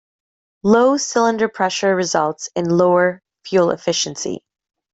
Low cylinder pressure results in lower fuel efficiency.